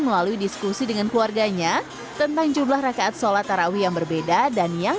melalui diskusi dengan keluarganya tentang jumlah rakaat sholat tarawih yang berbeda dan yang